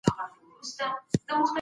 باطل په مابينځ کي رسوا سو.